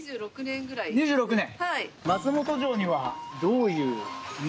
２６年？